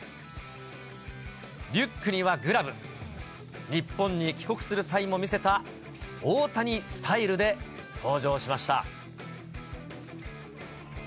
リュックにはグラブ、日本に帰国する際も見せた大谷スタイルで登場しました。